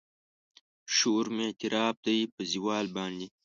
شور مې اعتراف دی په زوال باندې